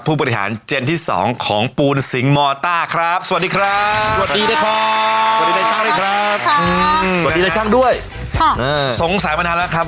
ผู้ปฏิหารเจนที่สองของปูนสิงห์มอต้าครับสวัสดีครับสวัสดีครับ